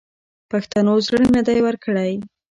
پښتنو زړه نه دی ورکړی.